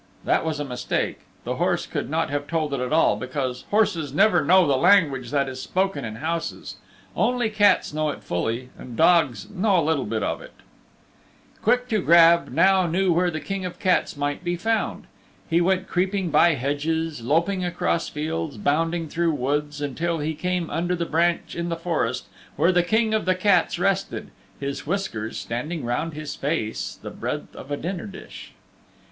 (That was a mistake. The horse could not have told it at all, because horses never know the language that is spoken in houses only cats know it fully and dogs know a little of it.) Quick to Grab now knew where the King of the Cats might be found. He went creeping by hedges, loping across fields, bounding through woods, until he came under the branch in the forest where the King of the Cats rested, his whiskers standing round his face the breadth of a dinner dish.